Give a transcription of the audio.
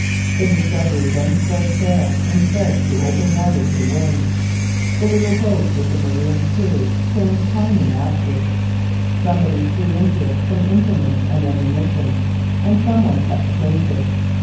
The Discovery then spread sail and sped through open water to the wind. The little boat with the marooned crew came climbing after. Somebody threw into it some implements and ammunition, and some one cut the painter.